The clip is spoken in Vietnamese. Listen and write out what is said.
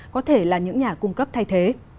có thể là những nhà cung cấp thay thế